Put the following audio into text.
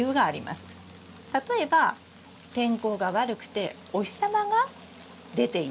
例えば天候が悪くてお日様が出ていない。